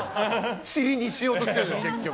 塵にしようとしてるじゃん。